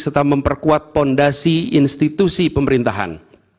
serta memperkuat fondasi institusi pemerintahan